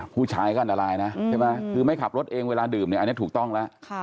ผู้ชายก็อันตรายนะใช่ไหมคือไม่ขับรถเองเวลาดื่มเนี่ยอันนี้ถูกต้องแล้ว